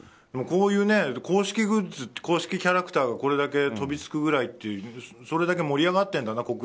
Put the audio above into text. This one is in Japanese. こういう公式キャラクターがこれだけ飛びつくぐらいってそれだけ盛り上がっているんだな